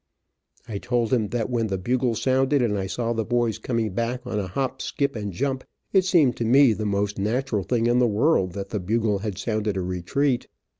I told him that when the bugle sounded, and I saw the boys coming back on a hop, skip and jump, it seemed to me the most natural thing in the world that the bugle had sounded a retreat.